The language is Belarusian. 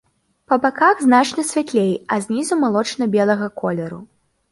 Па баках значна святлей, а знізу малочна-белага колеру.